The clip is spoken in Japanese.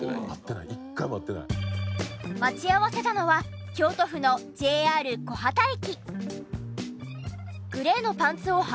待ち合わせたのは京都府のＪＲ木幡駅。